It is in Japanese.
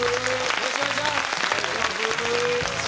よろしくお願いします。